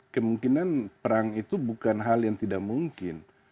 kemungkinan perang itu bukan hal yang tidak mungkin